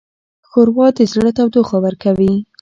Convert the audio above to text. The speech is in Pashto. ښوروا د زړه تودوخه ورکوي.